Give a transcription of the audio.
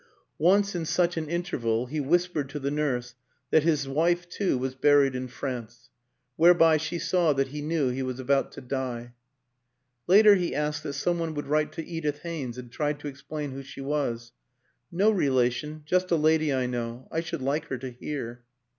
Once, in such an interval, he whispered to the nurse that his wife, too, was buried in France; whereby she saw that he knew he was about to die. Later he asked that some one would write to Edith Haynes, and tried to explain who she was. "No relation just a lady I know. ... I should like her to hear."